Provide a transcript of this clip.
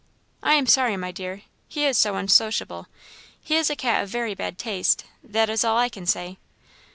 "I am sorry, my dear, he is so unsociable; he is a cat of very bad taste that is all I can say."